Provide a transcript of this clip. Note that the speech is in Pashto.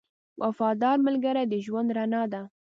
• وفادار ملګری د ژوند رڼا ده.